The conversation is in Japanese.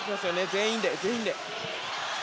全員で、全員で。